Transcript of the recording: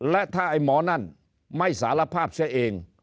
และถ้าไอ้หมอนั่นไม่สารภาพเสียเอง